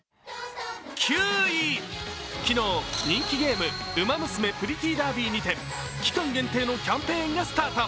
９位、昨日人気ゲーム「ウマ娘プリティーダービー」にて期間限定のキャンペーンがスタート。